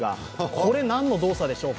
これは何の動作でしょうか。